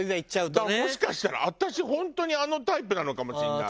だからもしかしたら私本当にあのタイプなのかもしれない。